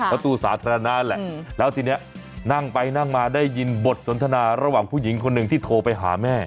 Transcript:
ตู้สาธารณะแหละแล้วทีนี้นั่งไปนั่งมาได้ยินบทสนทนาระหว่างผู้หญิงคนหนึ่งที่โทรไปหาแม่